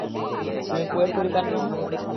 তুমি Puerto Rican নও?